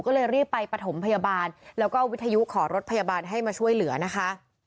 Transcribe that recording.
ก็เลยรีบไปประถมพยาบาลแล้วก็วิทยุขอรถพยาบาลให้มาช่วยเหลือนะคะ